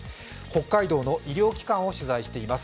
北海道の医療機関を取材しています。